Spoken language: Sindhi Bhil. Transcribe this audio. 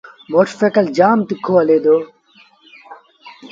موٽر سآئيٚڪل جآم تکو هلي دو۔